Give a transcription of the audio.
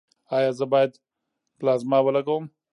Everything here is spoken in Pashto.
ایا زه باید پلازما ولګوم؟